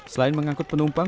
selain mengangkut penumpang